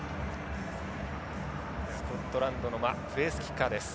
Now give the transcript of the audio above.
スコットランドのプレースキッカーです。